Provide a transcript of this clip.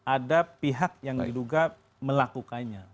ada pihak yang diduga melakukannya